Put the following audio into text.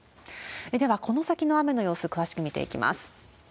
では、この先の雨の様子、詳しく見ていきます。